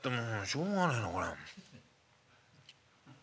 しょうがねえなこれ」。